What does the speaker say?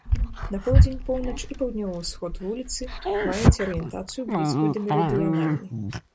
На поўдзень, поўнач і паўднёвы ўсход вуліцы маюць арыентацыю, блізкую да мерыдыянальнай.